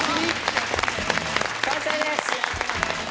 完成です。